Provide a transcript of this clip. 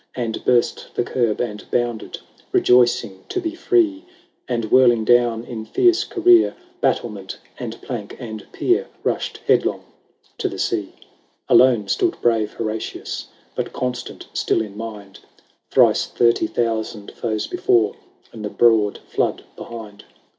And burst the curb, and bounded, Rejoicing to be free. And whirling down, in fierce career, Battlement, and plank, and pier. Rushed headlong to the sea. LVII. Alone stood brave Horatius, But constant still in mind ; Thrice thirty thousand foes before, And the broad flood behind.